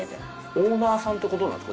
オーナーさんってことなんですか？